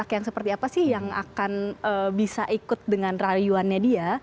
pihak yang seperti apa sih yang akan bisa ikut dengan rayuannya dia